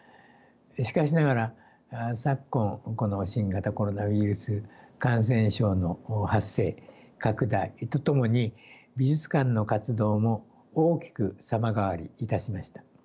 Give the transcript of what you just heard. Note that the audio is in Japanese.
しかしながら昨今この新型コロナウイルス感染症の発生拡大とともに美術館の活動も大きく様変わりいたしました。